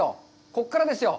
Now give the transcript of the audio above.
ここからですよ。